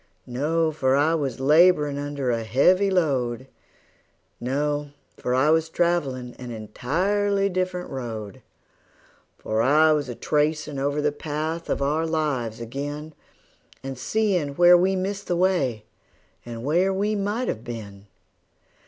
No for I was laborin' under a heavy load; No for I was travelin' an entirely different road; For I was a tracin' over the path of our lives ag'in, And seein' where we missed the way, and where we might have been.